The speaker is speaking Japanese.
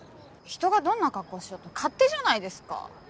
人がどんな格好しようと勝手じゃないですか！